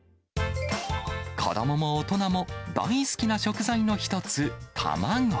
子どもも大人も大好きな食材の一つ、卵。